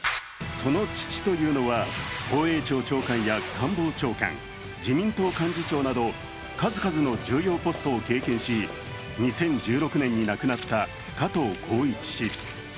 その父というのは、防衛庁長官や官房長官、自民党幹事長など数々の重要ポストを経験し２０１６年に亡くなった加藤紘一氏。